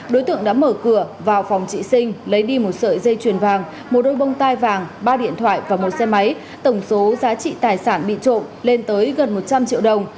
đối tượng đã mở cửa vào phòng chị sinh lấy đi một sợi dây chuyền vàng một đôi bông tai vàng ba điện thoại và một xe máy tổng số giá trị tài sản bị trộm lên tới gần một trăm linh triệu đồng